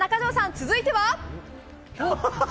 続いては。